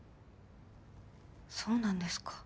そうなんですか。